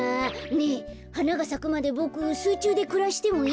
ねえはながさくまでボクすいちゅうでくらしてもいい？